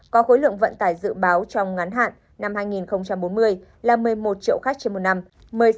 có khối lượng vận tải dự báo trong ngắn hạn năm hai nghìn bốn mươi là một mươi một triệu khách trên một năm